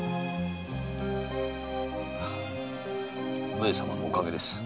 上様のおかげです。